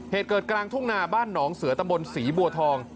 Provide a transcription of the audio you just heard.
เหตุเกิดกลางทุ่งนาบ้านหนองเสือตำบลศรีบัวทอง